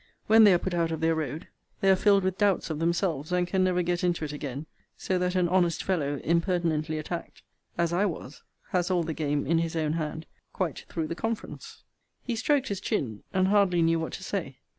When they are put out of their road, they are filled with doubts of themselves, and can never get into it again: so that an honest fellow, impertinently attacked, as I was, has all the game in his own hand quite through the conference. He stroked his chin, and hardly knew what to say.